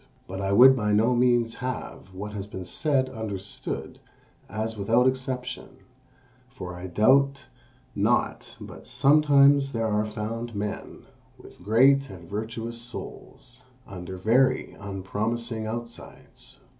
But I would by no means have what has been said understood as without exception; for I doubt not but sometimes there are found men with great and virtuous souls under very unpromising outsides."